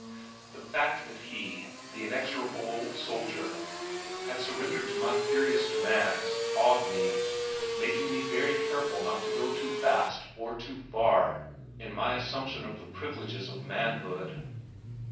The fact that he, the inexorable old soldier, had surrendered to my furious demands awed me, making me very careful not to go too fast or too far in my assumption of the privileges of manhood.